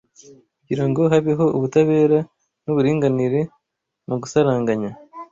kugirango habeho ubutabera nuburinganire mugusaranganya